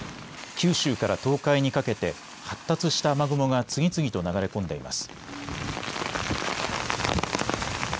九州から東海にかけて発達した雨雲が次々と流れ込んでいます。